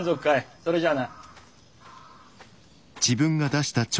それじゃあな。